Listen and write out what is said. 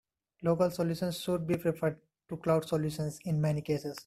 Local solutions should be preferred to cloud solutions in many cases.